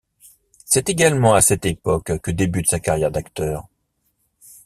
C'est également à cette époque que débute sa carrière d'acteur.